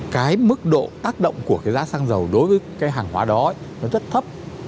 cái mức độ tác động của cái giá xăng dầu đối với cái hàng hóa đó nó rất thấp